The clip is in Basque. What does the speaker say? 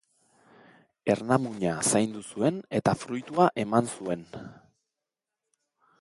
Ernamuina zaindu zuen eta fruitua eman zuen.